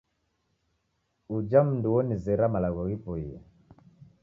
Uja mundu wonizera malagho ghipoie.